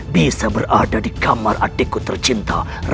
bisa berada di kamar adikku tercinta